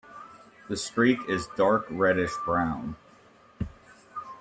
The streak is dark reddish brown.